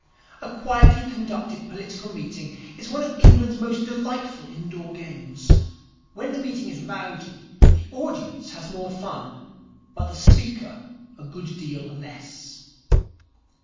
A quietly conducted political meeting is one of England's most delightful indoor games. When the meeting is rowdy, the audience has more fun, but the speaker a good deal less.